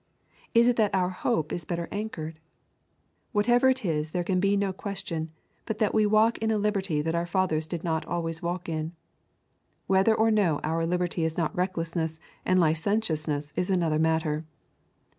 Is it that our hope is better anchored? Whatever the reason is, there can be no question but that we walk in a liberty that our fathers did not always walk in. Whether or no our liberty is not recklessness and licentiousness is another matter.